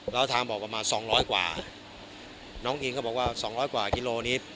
แล้วทางบอกประมาณสองร้อยกว่าน้องอิงก็บอกว่าสองร้อยกว่ากิโลนี้